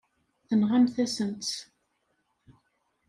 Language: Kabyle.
Tenɣam-asen-tt.